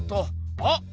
あっ！